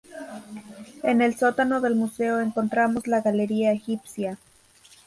En el sótano del museo encontramos la galería egipcia.